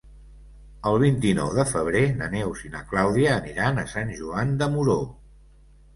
El vint-i-nou de febrer na Neus i na Clàudia aniran a Sant Joan de Moró.